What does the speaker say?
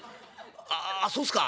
あそうっすか。